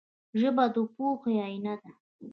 ژبه د پوهې آینه ده